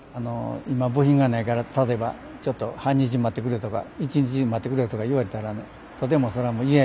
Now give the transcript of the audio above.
今部品がないから例えばちょっと半日待ってくれとか１日待ってくれとか言われたらとても嫌やからね。